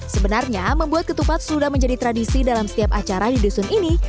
sebenarnya membuat ketupat sudah menjadi tradisi dalam setiap acara di dusun ini